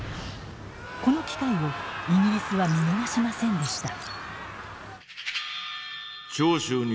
この機会をイギリスは見逃しませんでした。